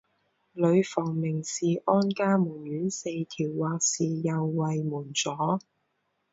女房名是安嘉门院四条或是右卫门佐。